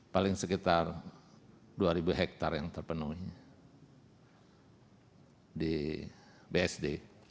paling sekitar dua hektare yang terpenuhi di bsd